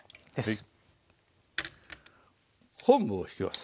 昆布を引きます。